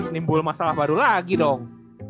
timbul masalah baru lagi dong